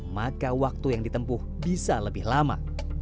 maka waktu yang ditempuh bisa lebih lama